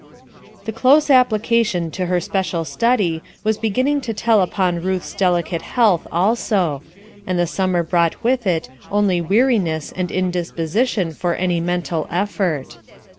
The close application to her special study was beginning to tell upon Ruth's delicate health also, and the summer brought with it only weariness and indisposition for any mental effort.